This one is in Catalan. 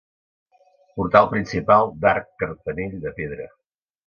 Portal principal d'arc carpanell de pedra.